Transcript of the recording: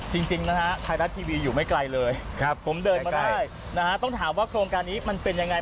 จริงนะฮะไทยรัฐทีวีอยู่ไม่ไกลเลยผมเดินมาได้นะฮะต้องถามว่าโครงการนี้มันเป็นยังไง